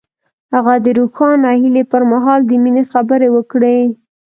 هغه د روښانه هیلې پر مهال د مینې خبرې وکړې.